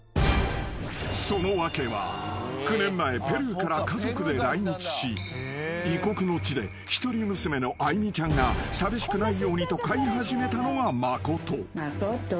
［その訳は９年前ペルーから家族で来日し異国の地で一人娘のアイミちゃんが寂しくないようにと飼い始めたのがまこと］